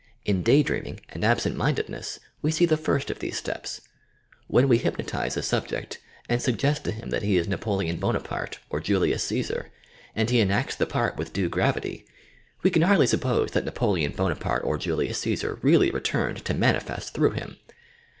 In day dreaming and absent mindedness we see the firat of these steps. When we hypnotize a subject and sug gest to him that he is Napoleon Bonaparte or Julius Caaar, and he enacts the part with due gravity, we can hardly suppose that Napoleon Bonaparte or Julius Ca?sar really returned to manifest through him!